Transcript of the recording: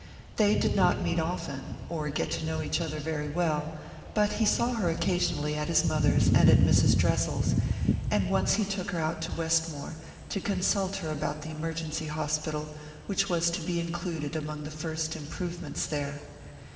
They did not meet often, or get to know each other very well; but he saw her occasionally at his mother's and at Mrs. Dressel's, and once he took her out to Westmore, to consult her about the emergency hospital which was to be included among the first improvements there.